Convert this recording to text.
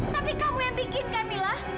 tapi kamu yang bikinkan mila